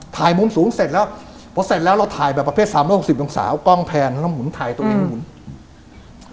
ถ่ายมุมสูงเสร็จแล้วนู่นถ่ายตรงนี้